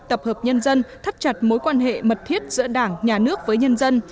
tập hợp nhân dân thắt chặt mối quan hệ mật thiết giữa đảng nhà nước với nhân dân